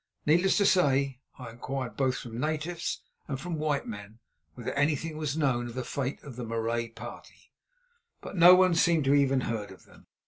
Needless to say, I inquired both from natives and from white men whether anything was known of the fate of Marais's party, but no one seemed even to have heard of them.